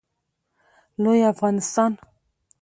لوی افغانستان